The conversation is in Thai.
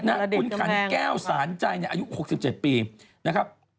ถ้าคุณขันแก้วสาญใจอายุ๖๗ปี